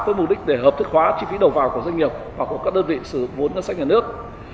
với mục đích để hợp thức hóa chi phí đầu vào của doanh nghiệp hoặc của các đơn vị sử vốn ngân sách nhà nước